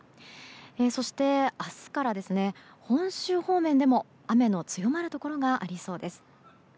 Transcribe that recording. そして、明日から本州方面でも雨の強まるところがありそうです。